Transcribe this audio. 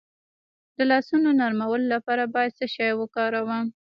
د لاسونو نرمولو لپاره باید څه شی وکاروم؟